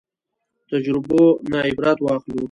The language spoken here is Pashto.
تجربو نه عبرت واخلو